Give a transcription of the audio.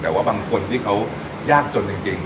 แต่ว่าบางคนที่เขายากจนจริง